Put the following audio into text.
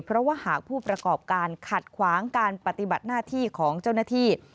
เพราะว่าหากผู้ประกอบการขัดขวางการปฏิบัติหน้าที่ของเจ้าหน้าที่